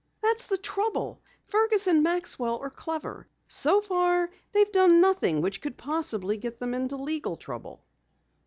"That's the trouble. Fergus and Maxwell are clever. So far they've done nothing which could possibly get them into legal trouble."